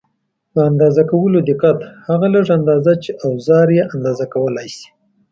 د اندازه کولو دقت: هغه لږه اندازه چې اوزار یې اندازه کولای شي.